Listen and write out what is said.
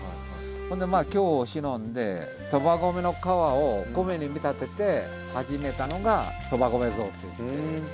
ほんでまあ京をしのんでそば米の皮を米に見立てて始めたのがそば米雑炊。